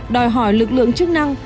đòi hỏi lực lượng chức năng